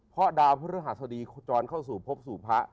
เพราะดาวพระธรรมศาสตรีจรเข้าสู่พบสู่พระ